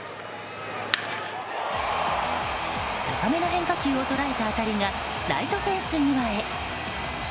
高めの変化球を捉えた当たりがライトフェンス際へ。